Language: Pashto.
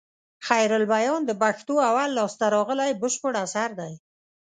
خيرالبيان د پښتو اول لاسته راغلى بشپړ اثر دئ.